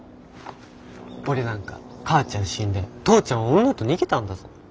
俺なんか母ちゃん死んで父ちゃんは女と逃げたんだぞ。